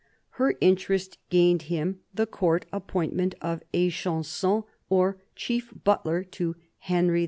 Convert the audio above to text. Her interest gained him the Court appointment of echanson^ or chief butler, to Henry H.